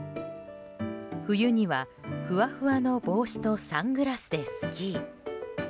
冬には、ふわふわの帽子とサングラスでスキー。